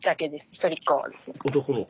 一人っ子ですね。